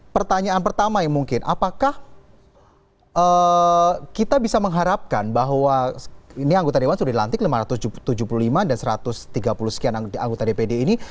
pertanyaan pertama yang mungkin apakah kita bisa mengharapkan bahwa ini anggota dewan sudah dilantik lima ratus tujuh puluh lima dan satu ratus tiga puluh sekian anggota dpd ini